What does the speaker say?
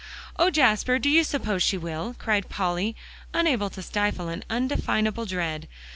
"Oh, Jasper! do you suppose she will?" cried Polly, unable to stifle an undefinable dread.